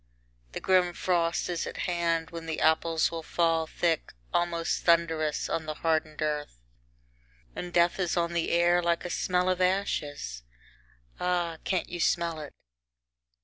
The grim frost is at hand, when the apples will fall thick, almost thundrous, on the hardened earth. And death is on the air like a smell of ashes! Ah! can't you smell it?